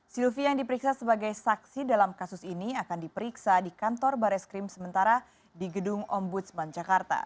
silvi yang diperiksa sebagai saksi dalam kasus ini akan diperiksa di kantor bareskrim sementara di gedung ombudsman jakarta